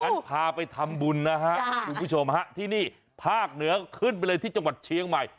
งั้นพาไปทำบุญนะฮะคุณผู้ชมฮะที่นี่ภาคเหนือขึ้นไปเลยที่จังหวัดเชียงใหม่